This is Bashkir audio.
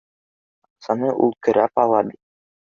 Аҡсаны ул көрәп ала бит